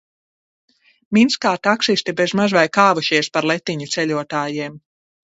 Minskā taksisti bez maz vai kāvušies par letiņu ceļotājiem.